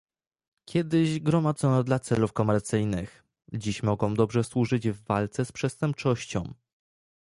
Kiedyś gromadzone dla celów komercyjnych, dziś mogą dobrze służyć w walce z przestępczością